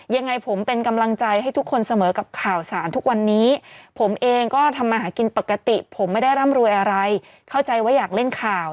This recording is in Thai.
ยังไงผมเป็นกำลังใจให้ทุกคนเสมอกับข่าวสารทุกวันนี้ผมเองก็ทำมาหากินปกติผมไม่ได้ร่ำรวยอะไรเข้าใจว่าอยากเล่นข่าว